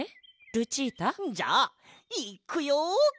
ルチータ？じゃあいっくよ！